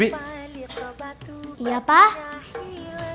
hilang gajahnya datang